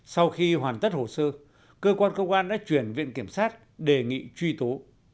sau khi hoàn tất hồ sơ cơ quan công an đã chuyển viện kiểm sát đề nghị truy tố